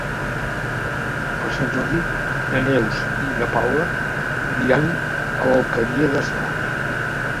Per Sant Jordi na Neus i na Paula aniran a l'Alqueria d'Asnar.